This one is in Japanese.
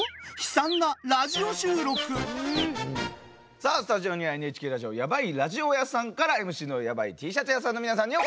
さあスタジオにはＮＨＫラジオ「ヤバイラジオ屋さん」からＭＣのヤバイＴシャツ屋さんの皆さんにお越しいただきました。